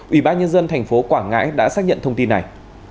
ủy ban nhân dân tp quảng ngãi đã xác nhận thông tin này